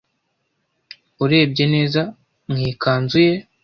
Urebye neza mu ikanzu ye